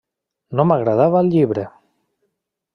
No m'agradava el llibre.